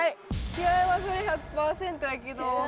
気合はそりゃ１００％やけど。